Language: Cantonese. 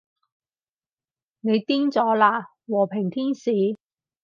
你癲咗喇，和平天使